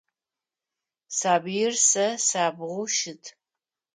Сабыир сэ сабгъу щыт.